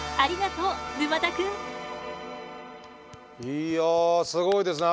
いやすごいですね。